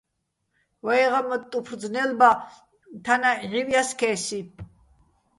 ვეღეჼ მოტტ უფრო ძნელ ბა, თანაც, ჲჵივჸ ჲა სქესი.